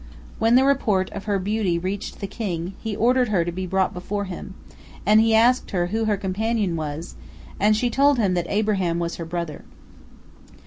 When the report of her beauty reached the king, he ordered her to be brought before him, and he asked her who her companion was, and she told him that Abraham was her brother.